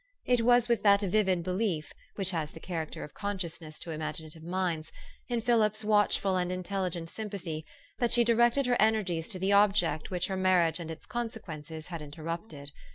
It was with that vivid belief (which has the char acter of consciousness to imaginative minds) in Philip's watchful and intelligent sympathy, that she directed her energies to the object which her mar riage and its consequences had interrupted.